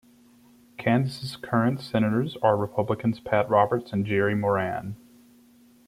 Kansas's current senators are Republicans Pat Roberts and Jerry Moran.